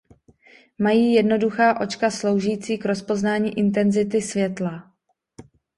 Mají jednoduchá očka sloužící k rozpoznání intenzity světla.